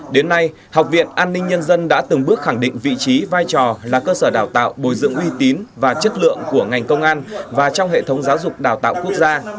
đến nay học viện an ninh nhân dân đã từng bước khẳng định vị trí vai trò là cơ sở đào tạo bồi dưỡng uy tín và chất lượng của ngành công an và trong hệ thống giáo dục đào tạo quốc gia